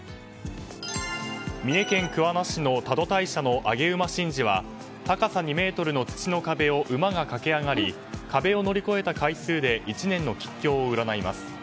三重県桑名市の多度大社の上げ馬神事は高さ２ｍの土の壁を馬が駆け上がり壁を乗り越えた回数で１年の吉凶を占います。